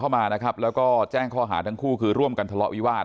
มานะครับแล้วก็แจ้งข้อหาทั้งคู่คือร่วมกันทะเลาะวิวาส